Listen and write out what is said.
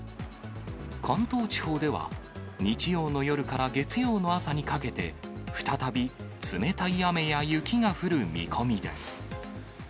関東地方では、日曜の夜から月曜の朝にかけて、再び冷たい雨や雪が降る見込みです。